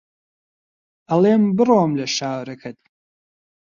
ئەڵێم بڕۆم لە شارەکەت